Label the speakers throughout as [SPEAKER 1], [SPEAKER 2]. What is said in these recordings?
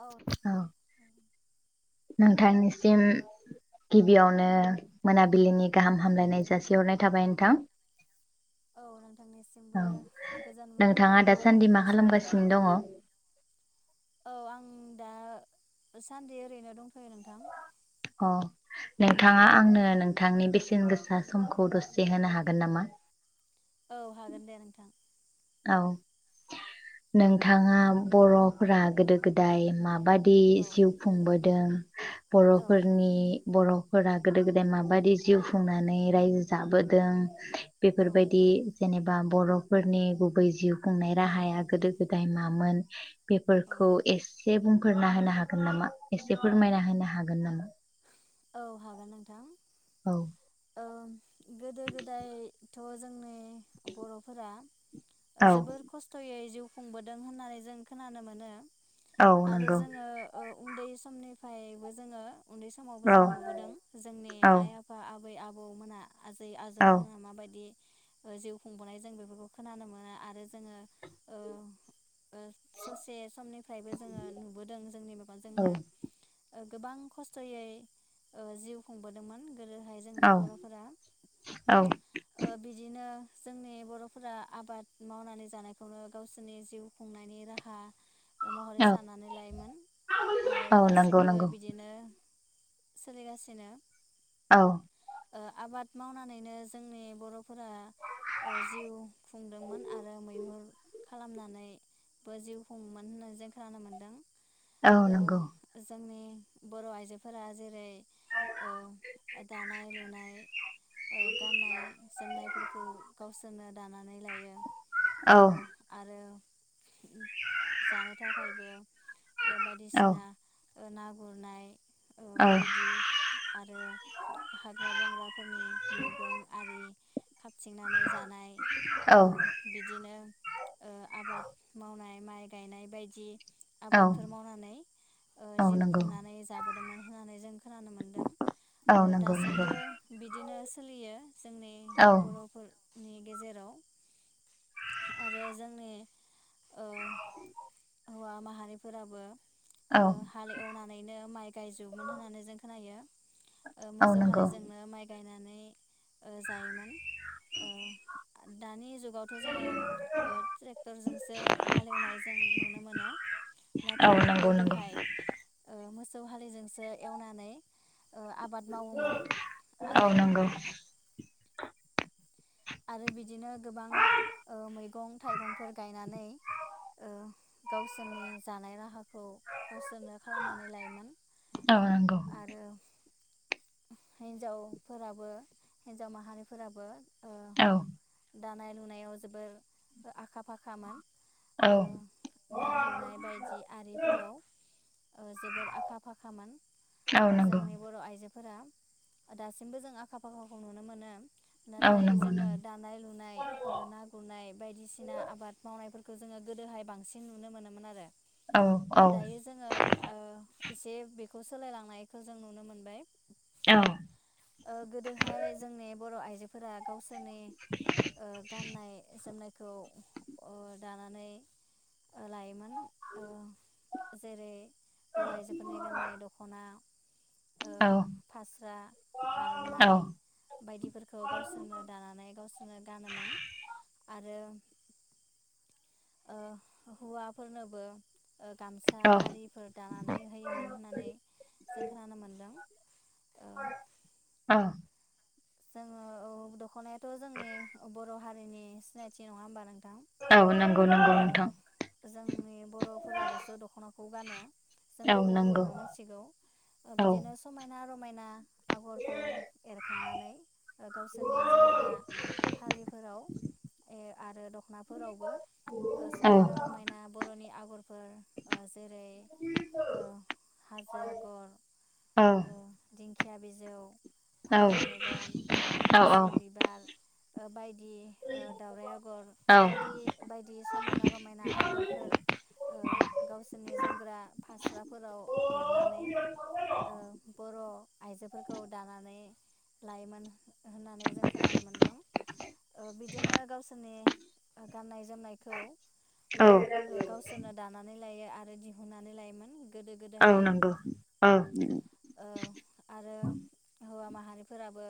[SPEAKER 1] औ
[SPEAKER 2] नोंथांनिसिम गिबियावनो मोनाबिलिनि गाहाम हामलायनाय जासिहरनाय थाबाय नोंथां
[SPEAKER 1] औ नोंथांनिसिमबो
[SPEAKER 2] औ
[SPEAKER 1] गोजान
[SPEAKER 2] नोंथाङा
[SPEAKER 1] मोनाबिलिनि गाहाम
[SPEAKER 2] दासान्दि
[SPEAKER 1] हामग्लायखौ
[SPEAKER 2] मा
[SPEAKER 1] जाासि हरबाय
[SPEAKER 2] खालामगासिनो दङ
[SPEAKER 1] औ आं दा सानदि ओरैनो दंथयो नोंथां
[SPEAKER 2] अ नोंथाङा आंनो नोंथांनि बेसेन गोसा समखौ दसे होनो हागोन नामा?
[SPEAKER 1] औ हागोन दे नोंथां
[SPEAKER 2] औ नोंथाङा बरफोरा गोदो गोदाय माबायदि
[SPEAKER 1] औ
[SPEAKER 2] दि जिउ खुंबोदों
[SPEAKER 1] औ
[SPEAKER 2] बरफोरनि बरफोरा गोदो गोदाय माबायदि जिउ खुंनानै रायजो जाबोदों
[SPEAKER 1] औ
[SPEAKER 2] बेफोरबायदि जेनेबा बरफोरनि गु बै जिउ खुंनाय
[SPEAKER 1] औ
[SPEAKER 2] राहाया गोदो गोदाय मामोन
[SPEAKER 1] औ
[SPEAKER 2] बेफोरखौ एसे बुंफोरना होनो हागोन नामा एसे फोरमायना होनो हागोन नामा?
[SPEAKER 1] औ हागोन नोंथां
[SPEAKER 2] औ
[SPEAKER 1] ओ गोदो गोदायथ जोंनि बरफोरा
[SPEAKER 2] औ
[SPEAKER 1] जोबोर खस्थयै जिउ खुंबोदों होननानै जों खोनानो मोनो
[SPEAKER 2] औ
[SPEAKER 1] आरो
[SPEAKER 2] नंगौ
[SPEAKER 1] जोङो ओ उन्दै समनिफ्रायबो जोङो उन्दै स
[SPEAKER 2] औ
[SPEAKER 1] जों नुबोदों जोंनि
[SPEAKER 2] औ
[SPEAKER 1] आइ आफा आ बै आबौमोनहा आजै
[SPEAKER 2] औ
[SPEAKER 1] आजौमोना माबायदि ओ जिउ खुंबोनाय जों बेफोरखौ खोनानो मोनो आरो जोङो ओ ओ ससे समनिफ्रायबो जोङो नुबोदों जोंनि माबा
[SPEAKER 2] औ
[SPEAKER 1] जोंनो गोबां खस्थयै ओ जिउ खुंबोदोंमोन गोदोहाय जोंनि
[SPEAKER 2] औ
[SPEAKER 1] बर'फोरा
[SPEAKER 2] औ
[SPEAKER 1] ओ बिदिनो जोंनि बरफोरा आबाद मावनानै जानायखौनो गावसोरनि जिउ खुंनायनि राहा महरै
[SPEAKER 2] औ
[SPEAKER 1] साननानै लायोमोन आरो
[SPEAKER 2] औ नंगौ
[SPEAKER 1] दासिमबो
[SPEAKER 2] नंगौ
[SPEAKER 1] बिदिनो सोलिगासिनो
[SPEAKER 2] औ
[SPEAKER 1] ओ आबाद मावनानैनो जोंनि बर'फोरा ओ जिउ खुंदोंमोन आरो मैहुर खालामनानैबो जिउ खुंङोमोन होननानै जों खोनानो मोनदों।
[SPEAKER 2] औ
[SPEAKER 1] ओ
[SPEAKER 2] नंगौ
[SPEAKER 1] जोंनि बर' आइजोफोरा जेरै ओ दानाय लुनाय ओ गाननाय जोमनायफोरखौ गावसोरनो दानानै लायो ओ
[SPEAKER 2] औ
[SPEAKER 1] आरो जानो थाखायबो ओ
[SPEAKER 2] औ
[SPEAKER 1] बायदिसिना ओ ना गुरनाय
[SPEAKER 2] औ
[SPEAKER 1] बायदि आरो हाग्रा बंग्रा फोरनि मैगं आरि खाथिंनानै जानाय
[SPEAKER 2] औ
[SPEAKER 1] ओ बिदिनो ओ आबाद मावनाय माइ गायनाय बायदि
[SPEAKER 2] औ
[SPEAKER 1] आबादफोर मावनानै ओ
[SPEAKER 2] औ
[SPEAKER 1] जिउ
[SPEAKER 2] नंगौ
[SPEAKER 1] खुंनानै जाबो होन्नानै जों खोनानो मोनदों
[SPEAKER 2] औ
[SPEAKER 1] ओ
[SPEAKER 2] नंगौ नंगौ
[SPEAKER 1] दासिमबो बिदि नो सोलियो। जोंनि
[SPEAKER 2] औ
[SPEAKER 1] बर'फोर नि गेजेराव आरो जोंनि हौवा माहारिफोराबो
[SPEAKER 2] औ
[SPEAKER 1] ओ हाल एवनानैनो माइ गायजुबोमोन होननानै जों खोनायो ओ
[SPEAKER 2] औ
[SPEAKER 1] मोसौ
[SPEAKER 2] नंगौ
[SPEAKER 1] हालिजोंनो माइ गायनानै ओ जायोमोन ओ दानि जुग गावथ' जोङो ओ ट्रेक्टरजोंसो हालेवनायजों नुनो मोनो
[SPEAKER 2] औ
[SPEAKER 1] नाथाय
[SPEAKER 2] नंगौ नंगौ
[SPEAKER 1] गोदोहाय ओ मो सौ हलिजोंसो एवनानै ओ आबाद मावोमोन
[SPEAKER 2] औ
[SPEAKER 1] आरो
[SPEAKER 2] नंगौ
[SPEAKER 1] आरो बिदि बिदिनो गोबां ओ मैगं थाइगंफोर गायनानै ओ गावसोरनि जानाय राहाखौ गावस सोरनो खालामनानै लायोमोन
[SPEAKER 2] औ नंगौ
[SPEAKER 1] आरो हिन्जावफोराबो हिन्जाव माहारिफोराबो ओ
[SPEAKER 2] औ
[SPEAKER 1] दानाय लुनायाव जोबोर आखा फाखामोन।
[SPEAKER 2] औ
[SPEAKER 1] ओ ना गुरनाय बायदि आरिफोराव ओ जोबोर आखा फाखामोन
[SPEAKER 2] औ
[SPEAKER 1] ओ
[SPEAKER 2] नंगौ
[SPEAKER 1] जोंनि बर' आइजोफोरा फोरा दासिमबो जों आखा फाखाखौ नुनो मोनो।
[SPEAKER 2] औ
[SPEAKER 1] नाथाय
[SPEAKER 2] नंगौ
[SPEAKER 1] जोङो
[SPEAKER 2] नों
[SPEAKER 1] दानाय लुनाय ना गुरनाय बायदिसिना आबाद मावनायफोरखौ खौ जोङो गोदोहाय बांसिन नुनो मोनोमोन आरो
[SPEAKER 2] औ औ
[SPEAKER 1] दायो जोंङो ओ एसे बेखौ सोलायलांनायखौ जों नुनो मोनबाय।
[SPEAKER 2] औ
[SPEAKER 1] ओ गोदोहाय जोंनि बर' आइजो फोरा गावसो नि ओ गाननाय जोमनाय खौ ओ दानानै लायोमोन। ओ जेरै बर' आइजोफोरनि गाननाय दख'ना ओ फास्रा
[SPEAKER 2] औ
[SPEAKER 1] आर'नाइ बायदिफोर गावसोरनो दानानै गावसोरनो गानोमोन आरो ओ हौवाफोरनोबो गामसा
[SPEAKER 2] औ
[SPEAKER 1] आरिफोर दानानै होयोमोन होननानै जों खोनानो मोनदों।
[SPEAKER 2] औ
[SPEAKER 1] जोंङो औ दख'नाया थ' जोंनि बर' हारि हारिनि सिनायथि नङा होनबा नोंथां?
[SPEAKER 2] औ नंगौ नंगौ
[SPEAKER 1] ओ
[SPEAKER 2] नोंथां
[SPEAKER 1] जोंनि बर'फोराल'सो दख'नाखौ खौ गानो जों
[SPEAKER 2] औ
[SPEAKER 1] बेखौ
[SPEAKER 2] नंगौ
[SPEAKER 1] बयबो मिथिगौ
[SPEAKER 2] औ
[SPEAKER 1] बिदिनो समायना रमायना आगरफोर एरखा गावसोरनि जोमग्रा फालिफोराव आरो दख' नाफोरावबो
[SPEAKER 2] औ
[SPEAKER 1] समायना रमायना बर'नि आगर फोर जेरै हाजो
[SPEAKER 2] औ
[SPEAKER 1] आगर दिं खिया बिजौ
[SPEAKER 2] औ।
[SPEAKER 1] फारौ मेगन
[SPEAKER 2] औ
[SPEAKER 1] खासि बिबार ओ बायदि बायदि दाउराय आगर
[SPEAKER 2] औ
[SPEAKER 1] बायदि बायदि समायना रमायना आगरफोर गावसोरनि जोमग्रा फास्राफोराव एरनानै बर आइजोफोरखौ दानानै लाइमोन होननानै जों खोनानो मोनदों बिदिनो गावसोरनि गाननाय जोमनयखौ
[SPEAKER 2] औ
[SPEAKER 1] बो गावसोरनो दानानै लायो आरो दिहुननानै लायोमोन गोदो
[SPEAKER 2] औ
[SPEAKER 1] गोदोहाय
[SPEAKER 2] नंगौ औ
[SPEAKER 1] ओ आरो हौवा माहारि फोराबो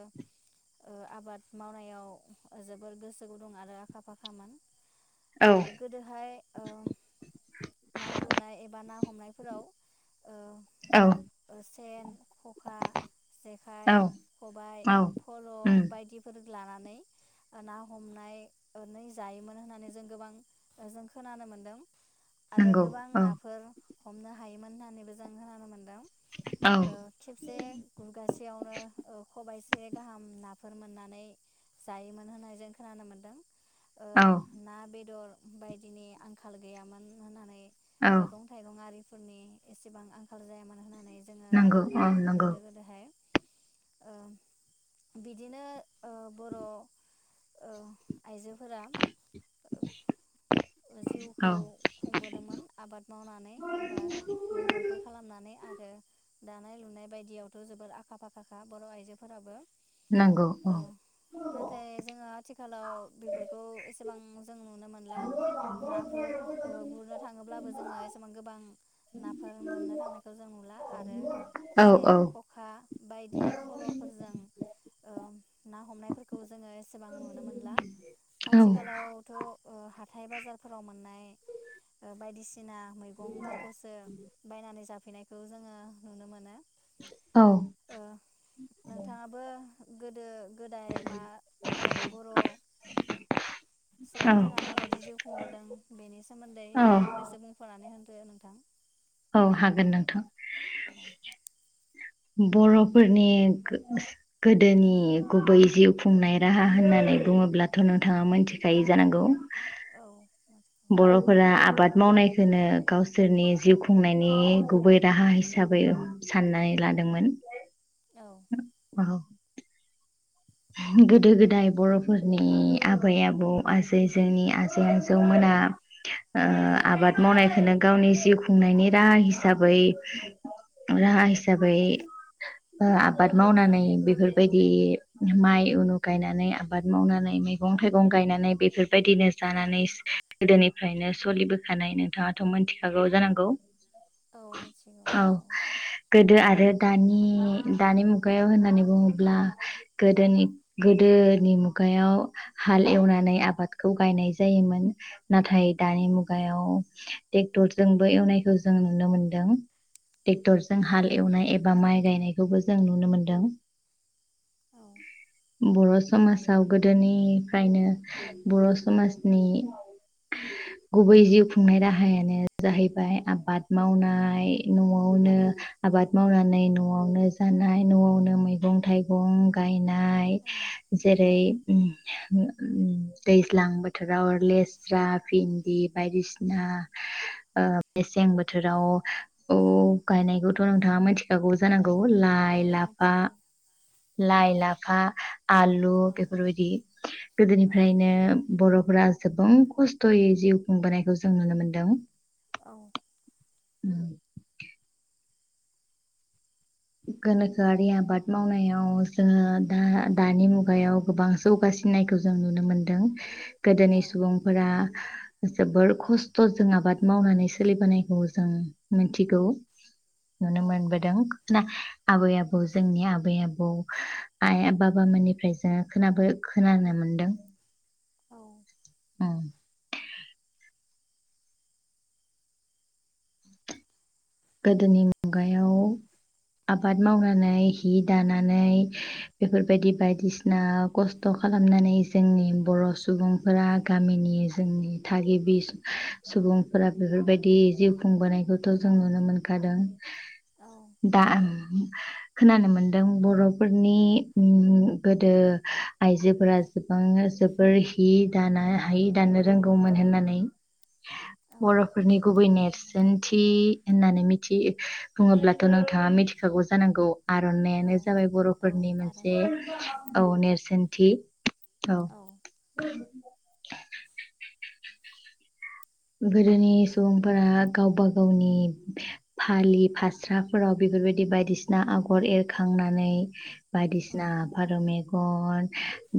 [SPEAKER 1] ओ आबाद मावनायाव जोबोर गोसो गुदुं आरो आखा फाखामोन।
[SPEAKER 2] औ
[SPEAKER 1] गोदोहाय ओ ना गुरनाय एबा ना हमनायफोराव
[SPEAKER 2] औ
[SPEAKER 1] ओ सेन खखा
[SPEAKER 2] औ
[SPEAKER 1] जेखाइ खबाय फल
[SPEAKER 2] उम
[SPEAKER 1] बायदिफोर लानानै ना हमनायै जायोमोन होननानै जों गोबां जों खोनानो मोन्दों। आरो
[SPEAKER 2] नंगौ
[SPEAKER 1] गोबां
[SPEAKER 2] औ
[SPEAKER 1] नाफोर। हमनो हायोमोन होननानैबो जों खोनानो मोन्दों।
[SPEAKER 2] औ
[SPEAKER 1] ओ खेबसे गुरगासेयावनो खबायाइसे एसे गाहाम नाफोर मोननानै जायोमोन होननाय जों खोनानो मोन्दों। ओ
[SPEAKER 2] औ
[SPEAKER 1] ना बेदर। बायदिनि आंखाल गैयामोन होननानै मैगं थाइगं आरि फोरनि एसेबां आंखाल जाया मानो होना
[SPEAKER 2] नंगौ औ नंगौ।
[SPEAKER 1] ओ बिदिनो ओ बर ओ आइजोफोरा
[SPEAKER 2] औ
[SPEAKER 1] जिउखौ खुंबोदोंमोन आबाद मावनानै एबा मैहुरफोर खालामनानै आरो दानाय लुनाय बायदियावथ जोबोर आखा फाखाखा बर आइजोफोराबो।
[SPEAKER 2] नांगौ औ।
[SPEAKER 1] नाथाय जोङो आथिखालाव बेफोरखौ एसेबां जों नुनो मोनला। नाफोर ओ गुरनो थाङोब्लाबो जोङो एसेबां गोबां नाफोर मोननो थांनायखौ जों नुला आरो
[SPEAKER 2] औ
[SPEAKER 1] सेन खखा बायदि फलफोरजों ओ ना हमनायफोरखौ जोङो एसेबां नुनो मोनला आथिखालावथ ओ हा हाथाइ बाजारफोराव मोननाय बायदिसिना सिना मैगंफोरखौसो बायनानै जाबो हुफिनायखौ जोङो नुनो मोनो
[SPEAKER 2] औ
[SPEAKER 1] ओ नोंथाङाबो गोदो गोदाय मा ओ बर'
[SPEAKER 2] हागोन
[SPEAKER 1] सुबुंफोरा माबायदि जि बोदों बेनि सोमोन्दै फंनैसो बुंफोरनानै नै होनग्रो नोंथां
[SPEAKER 2] औ हागोन नोंथां।
[SPEAKER 1] औ
[SPEAKER 2] बर'फोरनि गो गोदोनि गुबै जिउ
[SPEAKER 1] औ
[SPEAKER 2] खुंनाय राहा होननानै बुङोब्लाथ' नोंथाङा मोनथिखायो जानांगौ।
[SPEAKER 1] औ।
[SPEAKER 2] बर'फोरा आबाद मावनायखोनो गावसोरनि जिउ खुंनायनि गुबै राहा हिसाबै साननानै लादोंमोन,
[SPEAKER 1] औ
[SPEAKER 2] औ। गोदो गोदाय बर'फोरनि आबै आबौ आजै जोंनि आजै आजौमोना ओ
[SPEAKER 1] औ
[SPEAKER 2] आबाद मावनायखोनो गावनि जिउ खुंनायनि राहा हिसाबै राहा हिसाबै ओ आबाद मावनानै बेफोरबायदि माइ उनु गायनानै आबाद मावनानै मैगं थाइगं गायनानै बेफोरबायदिनो
[SPEAKER 1] औ
[SPEAKER 2] जानानै गोदोनिफ्रायनो सलिबोखानाय नोंथाङाथ' मोनथिखागौ जानांगौ?
[SPEAKER 1] औ मिथिगौ औ।
[SPEAKER 2] गोदो आरो दानि दानि मुगायाव होननानै बुङोब्ला गोदोनि गोदोनि मुगायाव हाल एवनानै आबादखौ गायनाय जायोमोन नाथ थाय दानि
[SPEAKER 1] औ
[SPEAKER 2] मुगायाव ट्रेक्टर जोंबो एवनायखौ जों नुनो मोनदों। ट्रेक्टरजों
[SPEAKER 1] औ
[SPEAKER 2] हाल एवनाय बा माइ गायनायखौबो जों नुनो मोनदों।
[SPEAKER 1] औ
[SPEAKER 2] बर' समाजाव गोदोनिफ्रायनो बर' समाजनि गुबै जिउ खुंनाय राहायानो जाहैबाय आबाद मावनाय, न'आवनो
[SPEAKER 1] औ
[SPEAKER 2] आबाद मावनानै न'आवनो जानाय, न'आवनो मैगं थाइगं गायनाय
[SPEAKER 1] औ
[SPEAKER 2] जेरै ओम दैज्लां बोथोराव लेस्रा, भिन्दि बायदिसिना ओ मेसें बोथोराव-आव गायनायखौथ' नोंथाङा मिथिखागौ जानांगौ?
[SPEAKER 1] औ
[SPEAKER 2] लाइ, लाफा
[SPEAKER 1] मिथिगौ
[SPEAKER 2] लाइ, लाफा आलु
[SPEAKER 1] औ
[SPEAKER 2] बेफोरबायदि
[SPEAKER 1] औ
[SPEAKER 2] गोदोनिफ्रायनो बर' फोरा गोबां खस्थ'यै जिउ खुंबोनायखौ जों नुनो मोन्दों।
[SPEAKER 1] औ।
[SPEAKER 2] ओम। गोनोखोआरि आबाद मावनायाव जोङो दा दानि मुगायाव गोबां जौगासिननायखौ जों नुनो मोनदों।
[SPEAKER 1] औ
[SPEAKER 2] गोदोनि सुबुंफोरा जोबोर खस्थ' जों आबाद मावनानै सोलिबोनायखौ जों मिथिगौ। नुनो
[SPEAKER 1] औ
[SPEAKER 2] मोनबोदों। आबै आबौ जोंनि आबै आबौ आइ बाबामोननिफ्राय जोङो खोनाबो खोनानो मोनदों।
[SPEAKER 1] औ।
[SPEAKER 2] उम। गोदोनि मुगायाव आबाद मावनानै हि दानानै बेफोर बायदि बायदिसिना खस्थ' खालामनानै जोंनि बर' सुबुंफोरा गामिनि जोंनि थागिबि सुबुंफोरा बेफोर बायदि जिउ खुंबोनायखौथ' जों नुनो नुनो मोनखादों। दा खोनानो मोनदों बर'फोरनि ओम गोदो आइजोफोरा गोबां जोबोर हि दाना हि दानो रोंगौमोन होननानै।
[SPEAKER 1] औ
[SPEAKER 2] बर'फोरनि गुबै नेरसोनथि होननानै मिथि बुङोब्लाथ' नोंथाङा मिथिखागौ जानांगौ आर'नाइआनो जाबाय
[SPEAKER 1] औ
[SPEAKER 2] बर'फोरनि मोनसे
[SPEAKER 1] आर'नाइ
[SPEAKER 2] औ नेरसोन सोनथि। औ। [inaudible] गोदोनि सुबुंफोरा गावबा गावनि फालि फास्राफोराव बेफोर बायदि बायदिसिना आगर एरखांनानै
[SPEAKER 1] औ
[SPEAKER 2] बायदिसिना फारौ गन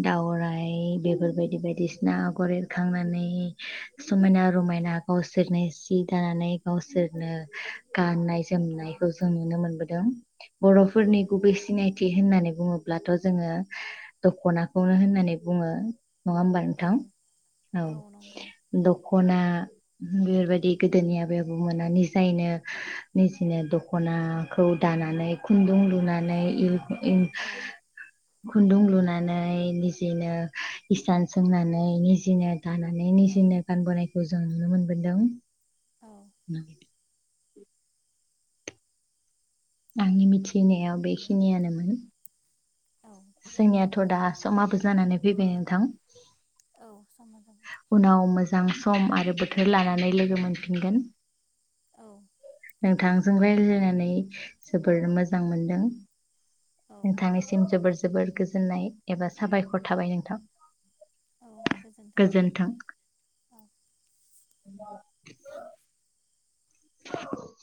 [SPEAKER 2] दावराइ बेफोरबायदि बायदिसिना आगर एरखांनानै
[SPEAKER 1] औ
[SPEAKER 2] समायना रमायना गावसोरनि सि दानानै गावसोरनो गाननाय
[SPEAKER 1] औ
[SPEAKER 2] जोमनायखौ जों नुनो मोनबोदों। बर'फोरनि गुबै सिनाय थि होननानै बुङोब्लाथ' जोङो दख'नाखौनो होननानै बुङो। नङा होमबा
[SPEAKER 1] औ
[SPEAKER 2] नोंथां औ द दखना बेफोरबायदि गोदोनि आबै आबौ मोना निजायैनो निजिनो दखनाखौ दानानै खुन्दुं
[SPEAKER 1] औ
[SPEAKER 2] लुनानै [unintelligible]
[SPEAKER 1] औ
[SPEAKER 2] खुन्दुं लुनानै निजेनो इसान सोंनानै निजिनो दानानै
[SPEAKER 1] औ
[SPEAKER 2] निजिनो गानबोनायखौ जों नुनो मोनबोदों।
[SPEAKER 1] औ
[SPEAKER 2] [inaudible] आंनि मिथिनायाव बेखिनियानोमोन।
[SPEAKER 1] औ
[SPEAKER 2] जोंनियाथ' दा समाबो जानानै फैबाय नोंथां।
[SPEAKER 1] औ सम
[SPEAKER 2] उनाव मोजां सम आरो बोथोर लानानै लोगो मोनफिनगोन।
[SPEAKER 1] औ लोगो
[SPEAKER 2] नोंथांजों
[SPEAKER 1] मोनगोन
[SPEAKER 2] रायल्लायनानै जोबोर मोजां मोनदों।
[SPEAKER 1] औ
[SPEAKER 2] नोथांनिसिम जोबोर जोबोर गोजोननाय एबा साबायखर थाबाय नोंथां।
[SPEAKER 1] औ
[SPEAKER 2] गोजोन्थों।
[SPEAKER 1] औ
[SPEAKER 2] [inaudible]